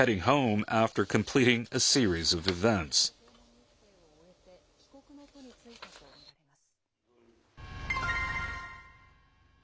一連の訪問日程を終えて、帰国の途に就いたと見られます。